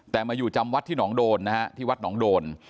แต่มาอยู่จำวัดที่หนองโดนนะฮะที่วัดหนองโดน